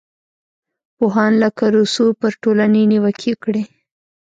پوهان لکه روسو پر ټولنې نیوکې وکړې.